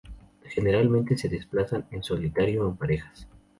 Generalmente se desplazan en solitario o en parejas.